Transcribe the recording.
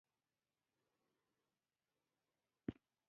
غریب د هرې دعا ژبه ده